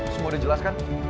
semua udah jelas kan